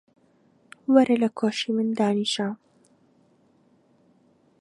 وەرە لە کۆشی من دانیشە.